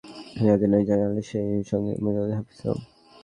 Camp বর্জন করেন one day অধিনায়ক আজহার আলী, সেই সঙ্গে মোহাম্মদ হাফিজও।